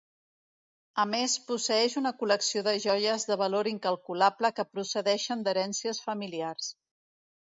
A més posseeix una col·lecció de joies de valor incalculable que procedeixen d'herències familiars.